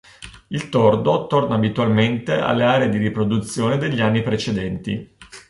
Il tordo torna abitualmente alle aree di riproduzione degli anni precedenti.